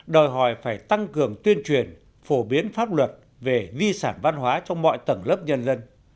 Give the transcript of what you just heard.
đòi hỏi phải tăng cường tuyên truyền phổ biến pháp luật về di sản văn hóa trong mọi tầng lớp nhân dân